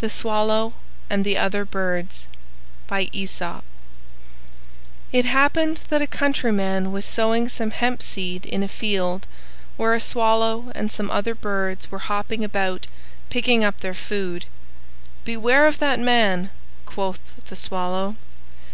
THE SWALLOW AND THE OTHER BIRDS It happened that a Countryman was sowing some hemp seed in a field where a Swallow and some other birds were hopping about picking up their food. "Beware of that man," quoth the Swallow.